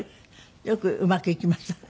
よくうまくいきましたね。